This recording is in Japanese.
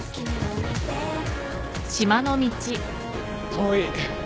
遠い。